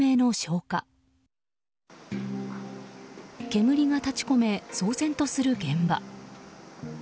煙が立ち込め、騒然とする現場。